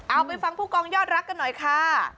เอาไปฟังผู้กองยอดรักกันหน่อยค่ะ